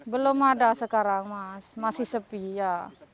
belum ada sekarang mas masih sepi ya